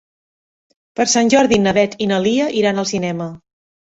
Per Sant Jordi na Beth i na Lia iran al cinema.